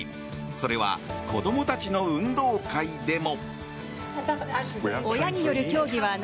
それは子供たちの運動会でも。